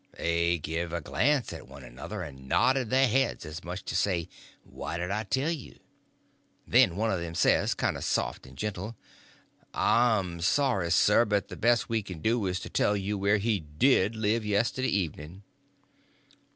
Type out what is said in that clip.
they give a glance at one another, and nodded their heads, as much as to say, "What d' I tell you?" Then one of them says, kind of soft and gentle: "I'm sorry sir, but the best we can do is to tell you where he did live yesterday evening."